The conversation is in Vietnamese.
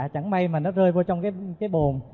chẳng may mà nó rơi vô trong cái bồn